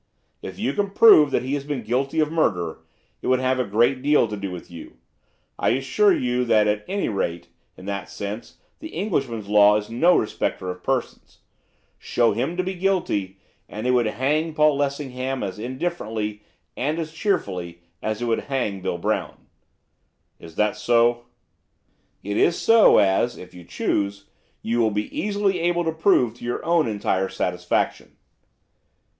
'If you can prove that he has been guilty of murder it would have a great deal to do with you. I assure you that at any rate, in that sense, the Englishman's law is no respecter of persons. Show him to be guilty, and it would hang Paul Lessingham as indifferently, and as cheerfully, as it would hang Bill Brown.' 'Is that so?' 'It is so, as, if you choose, you will be easily able to prove to your own entire satisfaction.